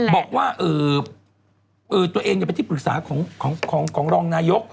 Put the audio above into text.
บอกว่าตัวเองเป็นที่ปรึกษาของรองนายก